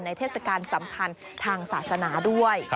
เทศกาลสำคัญทางศาสนาด้วย